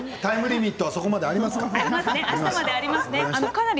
タイムリミットはそこまでありますか。